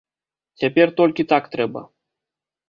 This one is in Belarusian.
Цяпер толькі так трэба.